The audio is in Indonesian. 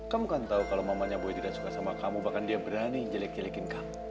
kamu kan tahu kalau mamanya boy tidak suka sama kamu bahkan dia berani jelek jelekin kamu